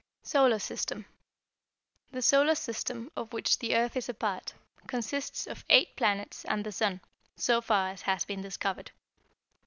Solar System The Solar System, of which the earth is a part, consists of eight planets and the sun, so far as has been discovered.